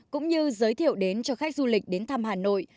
cũng như giới thiệu đến cho khách du lịch đến thăm hà nội